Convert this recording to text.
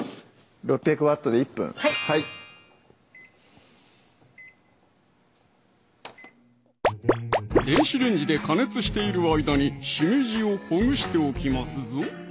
６００Ｗで１分はい電子レンジで加熱している間にしめじをほぐしておきますぞ！